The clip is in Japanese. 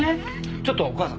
ちょっとお母さん